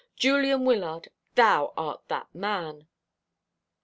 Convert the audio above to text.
Julian Wyllard, thou art the man!"